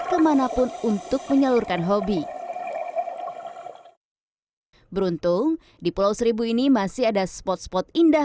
kemanapun untuk menyalurkan hobi beruntung di pulau seribu ini masih ada spot spot indah